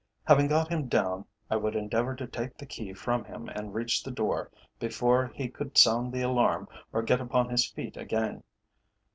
Having got him down, I would endeavour to take the key from him and reach the door before he could sound the alarm or get upon his feet again.